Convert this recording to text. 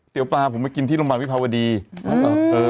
เตี๋ยวปลาผมไปกินที่โรงพยาบาลวิทยาลัยภาวดี